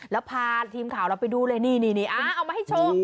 แล้วพาทีมข่าวเราไปดูเลยนี่เอามาให้โชว์